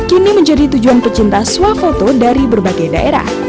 kini menjadi tujuan pecinta suafoto dari berbagai daerah